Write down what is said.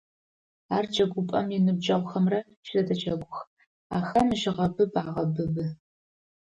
Ар джэгупӏэм иныбджэгъухэмрэ щызэдэджэгух, ахэм жьыгъэбыб агъэбыбы.